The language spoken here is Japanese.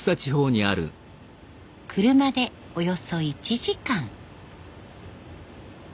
車でおよそ１時間。